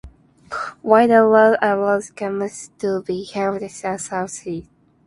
While the law allows court to be held in Sault Ste.